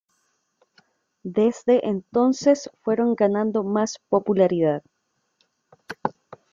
Desde entonces, fueron ganando más popularidad.